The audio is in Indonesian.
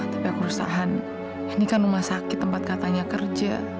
tapi aku resahan ini kan rumah sakit tempat katanya kerja